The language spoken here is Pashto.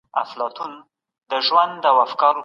څنګه کولای سو ډیموکراتیکي ټاکني د خپلو ګټو لپاره وکاروو؟